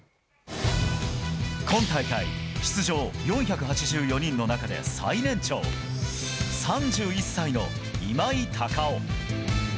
今大会、出場４８４人の中で最年長３１歳の今井隆生。